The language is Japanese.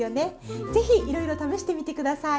ぜひいろいろ試してみて下さい！